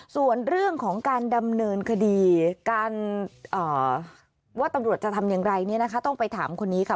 ส่วนเรื่องของการดำเนินคดีการว่าตำรวจจะทำอย่างไรเนี่ยนะคะต้องไปถามคนนี้ค่ะ